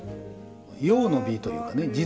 用の美というかね